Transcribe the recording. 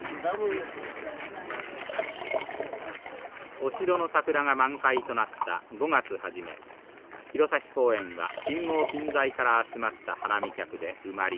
お城の桜が満開となった５月初め弘前公園は近郷近在から集まった花見客で埋まりました。